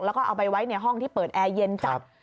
แล้วก็เอาไปไว้ในห้องที่เปิดแอร์เย็นจัด